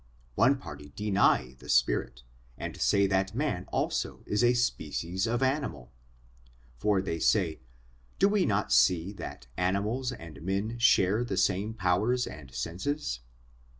One party deny the spirit, and say that man also is a species of animal; for they say, do we not see that animals and men share the same powers and senses?